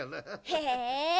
へえ。